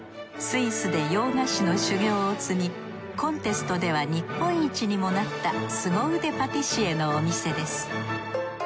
スイスで洋菓子の修業を積みコンテストでは日本一にもなったすご腕パティシエのお店です。